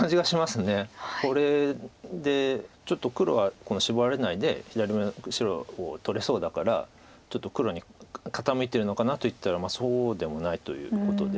これでちょっと黒はシボられないで左上の白を取れそうだからちょっと黒に傾いてるのかなと言ったらそうでもないということで。